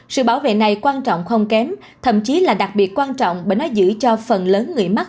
sự bảo vệ này quan trọng không kém thậm chí là đặc biệt quan trọng bởi nó giữ cho phần lớn người mắc